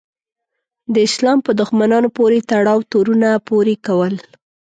د اسلام په دښمنانو پورې تړاو تورونه پورې کول.